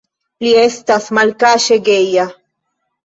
Li estas malkaŝe geja.